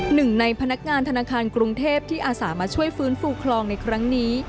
หนึ่งในพนักงานธนาคารกรุงเทพที่อาสามาช่วยฟื้นฟูคลองในครั้งนี้